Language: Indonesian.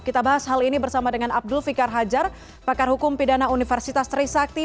kita bahas hal ini bersama dengan abdul fikar hajar pakar hukum pidana universitas trisakti